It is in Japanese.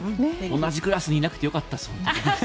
同じクラスにいなくてよかったです。